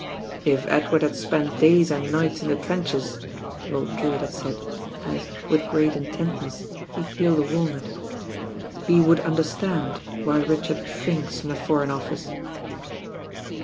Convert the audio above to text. "If Edward had spent days and nights in the trenches," Lord Drewitt had said, as, with great intentness, he peeled a wabut, "he would under stand whj Richard shrinks from the Foreign Of fice."